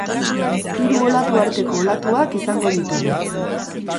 Hiru olatu arteko olatuak izango ditugu.